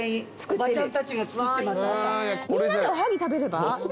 みんなでおはぎ食べれば？